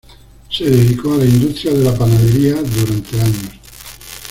Se dedicó a la industria de la panadería durante años.